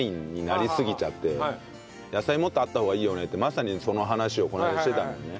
野菜もっとあった方がいいよねってまさにその話をこの間してたのよね。